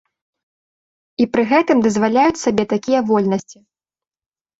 І пры гэтым дазваляюць сабе такія вольнасці.